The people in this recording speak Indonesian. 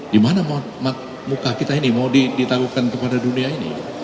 dimana muka kita ini mau ditaruhkan kepada dunia ini